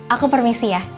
aku permisi ya